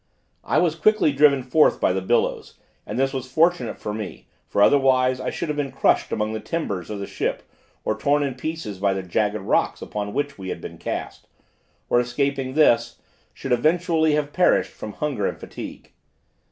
I was quickly driven forth by the billows; and this was fortunate for me, for otherwise I should have been crushed among the timbers of the ship or torn in pieces by the jagged rocks upon which we had been cast, or escaping this should eventually have perished from hunger and fatigue.